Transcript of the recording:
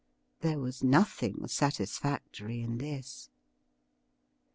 There was nothing satisfactory in this.